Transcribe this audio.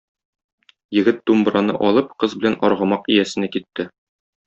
Егет думбраны алып, кыз белән аргамак иясенә китте.